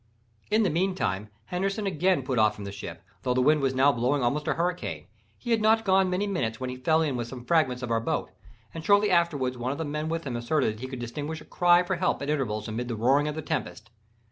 In the meantime, Henderson had again put off from the ship, although the wind was now blowing almost a hurricane. He had not been gone many minutes when he fell in with some fragments of our boat, and shortly afterward one of the men with him asserted that he could distinguish a cry for help at intervals amid the roaring of the tempest.